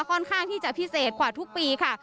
ค่อนข้างที่จะพิเศษกว่าทุกปีค่ะ